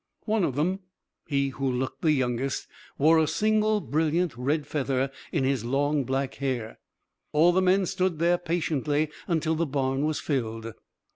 One of them, he who looked the youngest, wore a single brilliant red feather in his long black hair. All the men stood there patiently until the barn was filled.